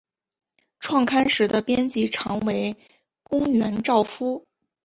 创刊时的编辑长为宫原照夫。